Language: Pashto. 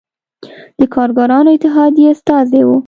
د کارګرانو اتحادیې استازی و.